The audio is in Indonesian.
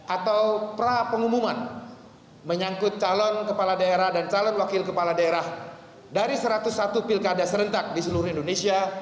atau pra pengumuman menyangkut calon kepala daerah dan calon wakil kepala daerah dari satu ratus satu pilkada serentak di seluruh indonesia